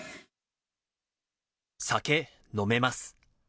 酒飲めます。